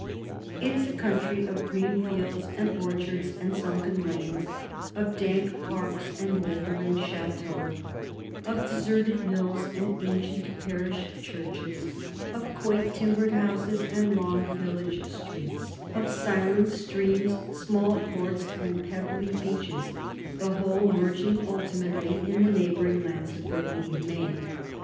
It is a country of green fields and orchards and sunken lanes, of dank parks and mouldering chateaux, of deserted mills and ancient parish churches, of quaint timbered houses and long village streets, of silent streams, small ports, and pebbly beaches, the whole merging ultimately in the neighboring lands of Brittany and Maine.